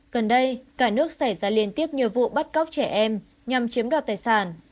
gần đây cả nước xảy ra liên tiếp nhiều vụ bắt cóc trẻ em nhằm chiếm đoạt tài sản